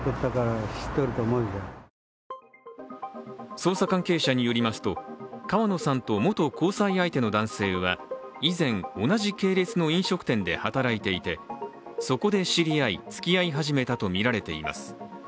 捜査関係者によりますと川野さんと元交際相手の男性は以前、同じ系列の飲食店で働いていてそこで知り合い、つきあい始めたとみられています。